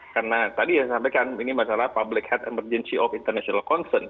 karena tadi saya sampaikan ini masalah public health emergency of international concern